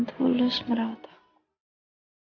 dia sering sabar dan meratakan rambutku